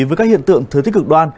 với các hiện tượng thứ thích cực đoan